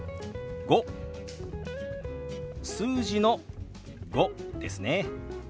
数字の「５」ですね。